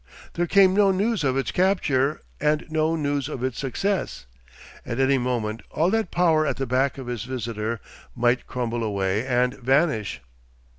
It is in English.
There came no news of its capture, and no news of its success. At any moment all that power at the back of his visitor might crumble away and vanish....